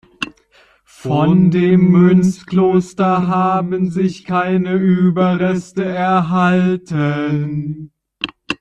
Von dem Mönchskloster haben sich keine Überreste erhalten.